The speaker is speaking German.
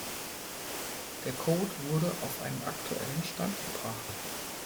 Der Code wurde auf einen aktuellen Stand gebracht.